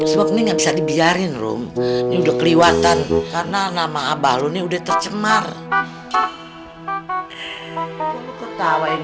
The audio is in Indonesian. ini nggak bisa dibiarin rom ini udah keliwatan karena nama abah lu nih udah tercemar ketawain